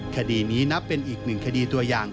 คดีนี้นับเป็นอีกหนึ่งคดีตัวอย่าง